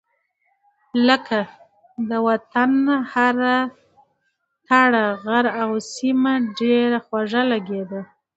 لکه : د وطن هره تړه غر او سيمه ډېره خوږه لګېده.